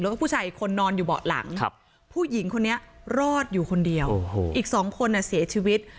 แล้วก็ผู้ชายอีกคนนอนอยู่เบาะหลังผู้หญิงคนนี้รอดอยู่คนเดียวอีก๒คนเสียชีวิต